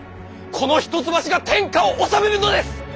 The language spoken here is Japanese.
この一橋が天下を治めるのです！